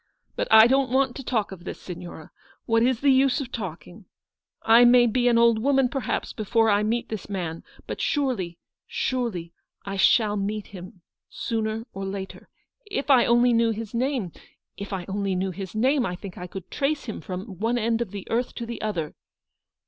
But I don't want to talk of this, Signora : what is the use of talking ? I may be an old woman, perhaps, before I meet this man ; but surely, surely I shall meet him sooner or later. If I only knew his name — if I only knew his name, I think I could trace him from one end of the earth to the other.